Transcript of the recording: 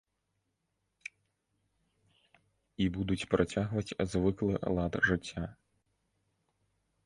І будуць працягваць звыклы лад жыцця.